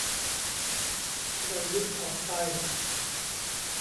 ประยุทธ์ออกไป